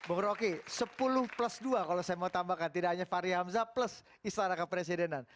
bung roky sepuluh plus dua kalau saya mau tambahkan tidak hanya fahri hamzah plus istana kepresidenan